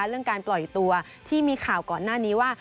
เรื่องการปล่อยตัวที่มีข่าวก่อนหน้านี้ว่า